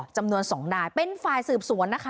จำนวน๒นายเป็นฝ่ายสืบสวนนะคะ